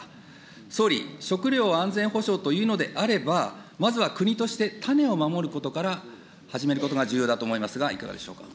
総理、食料安全保障というのであれば、まずは国として種を守ることから始めることが重要だと思いますが、いかがでしょうか。